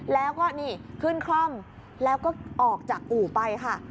แล้วก็นี่ขึ้นคล่อมแล้วก็ออกจากอู่ไปค่ะ